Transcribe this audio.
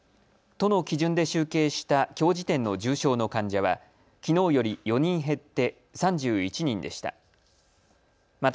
都の基準で集計したきょう時点の重症の患者はきのうより４人減って３１人でした。